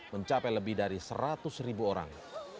mencapai lebih dari seratus ribu orang